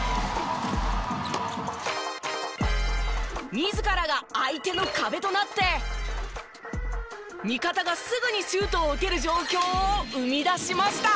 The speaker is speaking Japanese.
自らが相手の壁となって味方がすぐにシュートを打てる状況を生み出しました！